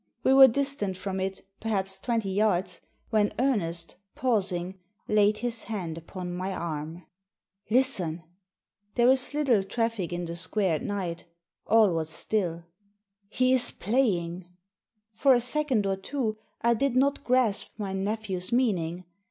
We were distant from it, perhaps, twenty yards, when Ernest, pausing, laid his hand upon my arm. Digitized by VjOOQIC no THE SEEN AND THE UNSEEN " Listen !" There is little traffic in the square at night All was stilL " He is playing !" For a second or two I did not grasp my nephew's meaning.